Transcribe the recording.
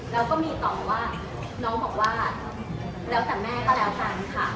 แล้วก็มีต่อว่าน้องบอกว่าแล้วแต่แม่ก็แล้วกันค่ะ